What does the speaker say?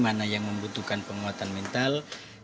mana yang membutuhkan penguatan mental